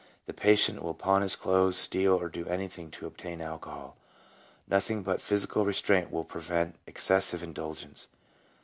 The patient will pawn his clothes, steal, or do anything to obtain alcohol. Nothing but physical restraint will prevent excessive indulgence.